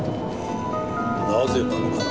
なぜなのかな？